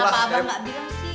kenapa abah nggak bilang sih